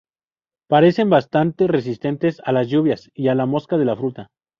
Parecen bastante resistentes a las lluvias y a la mosca de la fruta.